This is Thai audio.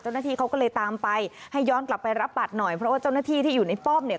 เจ้าหน้าที่เขาก็เลยตามไปให้ย้อนกลับไปรับบัตรหน่อยเพราะว่าเจ้าหน้าที่ที่อยู่ในป้อมเนี่ย